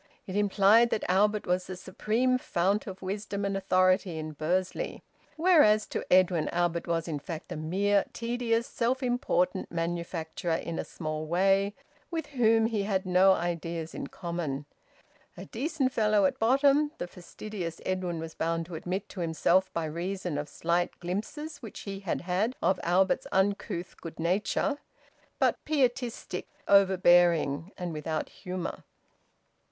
It implied that Albert was the supreme fount of wisdom and authority in Bursley. Whereas to Edwin, Albert was in fact a mere tedious, self important manufacturer in a small way, with whom he had no ideas in common. "A decent fellow at bottom," the fastidious Edwin was bound to admit to himself by reason of slight glimpses which he had had of Albert's uncouth good nature; but pietistic, overbearing, and without humour.